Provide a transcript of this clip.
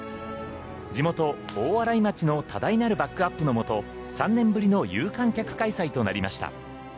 地元・大洗町の多大なるバックアップのもと３年ぶりの有観客開催となりました。